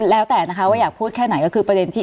แล้วแต่นะคะว่าอยากพูดแค่ไหนก็คือประเด็นที่